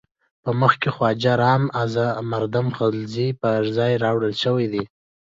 په مخ کې خواجه رام از مردم غلزی پر ځای راوړل شوی دی.